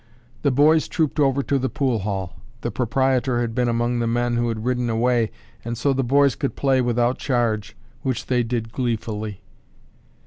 The boys trooped over to the pool hall. The proprietor had been among the men who had ridden away and so the boys could play without charge which they did gleefully.